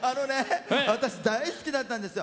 大好きだったんですよ。